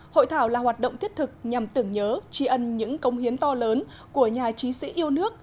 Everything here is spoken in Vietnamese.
hội thảo là hoạt động thiết thực nhằm tưởng nhớ tri ân những công hiến to lớn của nhà trí sĩ yêu nước